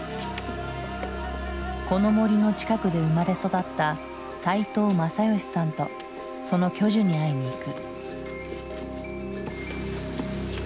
この森の近くで生まれ育った齋藤政美さんとその巨樹に会いに行く。